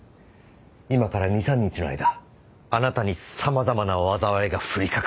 今から２３日の間あなたに様々な災いが降りかかります。